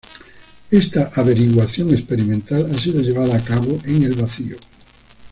Esta averiguación experimental ha sido llevada a cabo en el vacío.